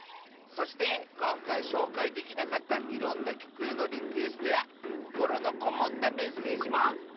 そしてこんかいしょうかいできなかったいろんなきょくへのリクエストやこころのこもったメッセージも。